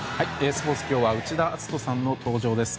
スポーツ今日は内田篤人さんの登場です。